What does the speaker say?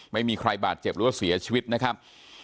ไม่มีใครบาดเจ็บหรือว่าเสียชีวิตนะครับ